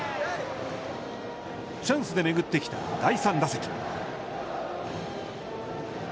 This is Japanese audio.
チャンスでめぐってきた第３打席。